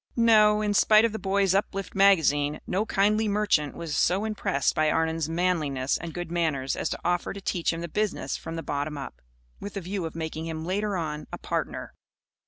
No, in spite of The Boys' Uplift Magazine, no kindly merchant was so impressed by Arnon's manliness and good manners as to offer to teach him the business from the bottom up, with a view of making him, later on, a partner.